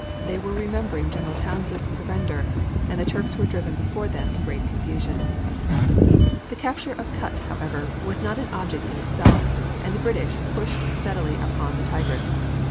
They were remembering General Townshend's surrender, and the Turks were driven before them in great confusion. The capture of Kut, however, was not an object in itself, and the British pushed steadily on up the Tigris.